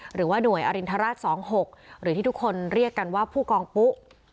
หรือว่าหน่วยอรินทราช๒๖หรือที่ทุกคนเรียกกันว่าผู้กองปุ๊